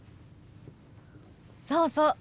そうそう。